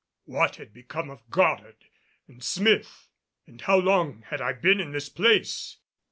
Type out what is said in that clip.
What had become of Goddard and Smith, and how long had I been in this place?